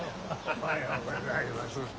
おはようございます。